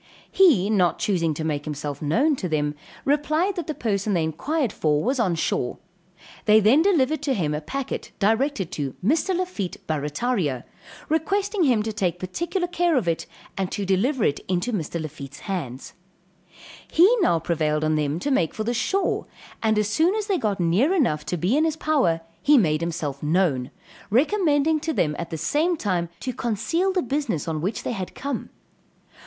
he not choosing to make himself known to them, replied that the person they inquired for was on shore. They then delivered to him a packet directed to Mr. Lafitte, Barrataria, requesting him to take particular care of it, and to deliver it into Mr. Lafitte's hands. He prevailed on them to make for the shore, and as soon as they got near enough to be in his power, he made himself known, recommending to them at the same time to conceal the business on which they had come.